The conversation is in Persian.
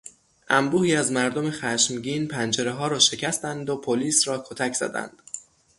انبوهی از مردم خشمگین پنجرهها را شکستند و پلیس را کتک زدند.